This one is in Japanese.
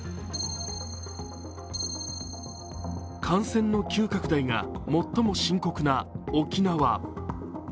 感染の急拡大が最も深刻な沖縄。